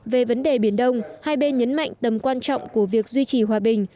về vấn đề biển đông hai bên nhấn mạnh tầm quan trọng của việc duy trì hòa bình